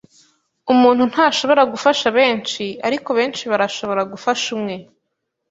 Umuntu ntashobora gufasha benshi, ariko benshi barashobora gufasha umwe.